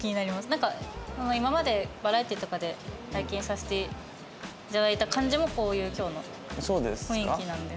なんか今までバラエティーとかで拝見させて頂いた感じもこういう今日の雰囲気なんで。